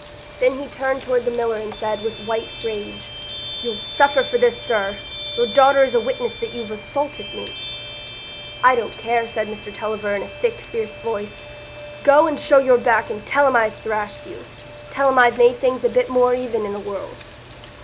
Then he turned toward the miller and said, with white rage, "You'll suffer for this, sir. Your daughter is a witness that you've assaulted me." "I don't care," said Mr Tulliver, in a thick, fierce voice; "go and show your back, and tell 'em I thrashed you. Tell 'em I've made things a bit more even i' the world."